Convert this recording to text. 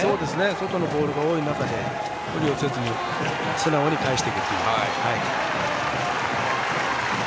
外のボールが多い中で寄せずに素直に返していくという。